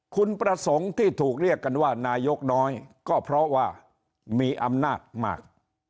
คุณประสงค์ที่ถูกเรียกกันว่านายกน้อยก็เพราะว่ามีอำนาจมาก